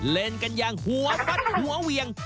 เล่นกันอย่างหัวฟัดหัวเวียง